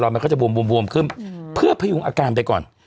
มันก็จะบวมขึ้นเพื่อพยุงอาการไปก่อน